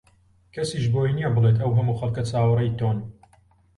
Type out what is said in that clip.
کەسیش بۆی نییە بڵێت ئەو هەموو خەڵکە چاوەڕێی تۆن